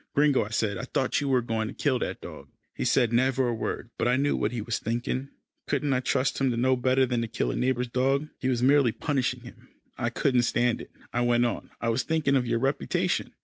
"Gringo," I said, "I thought you were going to kill that dog." He said never a word, but I knew what he was thinking couldn't I trust him to know better than to kill a neighbour's dog? He was merely punishing him. "I couldn't stand it," I went on, "I was thinking of your reputation."